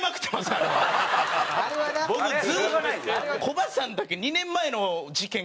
コバさんだけ２年前の事件